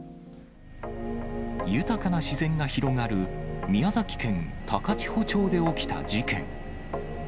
豊かな自然が広がる宮崎県高千穂町で起きた事件。